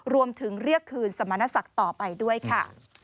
รวมถึงเรียกคืนสมณศักดิ์ต่อไปด้วยค่ะ